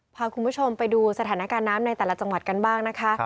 พาคุณผู้ชมไปดูสถานการณ์น้ำในแต่ละจังหวัดกันบ้างนะคะ